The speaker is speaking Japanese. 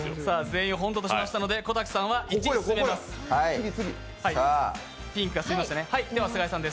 全員本当としましたので小瀧さんは１進めます。